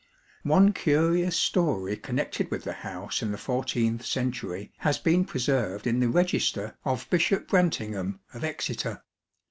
One curious story connected with the house in the fourteenth century has been preserved in the Register of Bishop Brantyngham of Exeter.